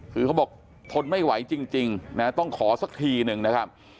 คือเขาบอกทนไม่ไหวจริงนะต้องขอสักทีหนึ่งนะครับ